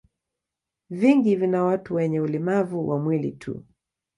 Vingi vina watu wenye ulemavu wa mwili tu.